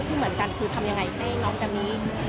ที่เหมือนกันคือทำยังไงให้น้องกะมิ